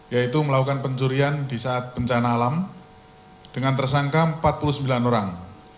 yaitu melakukan pencurian di saat bencana alam dengan tersangka empat puluh sembilan orang